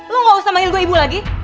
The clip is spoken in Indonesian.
lo gak usah manggil gue ibu lagi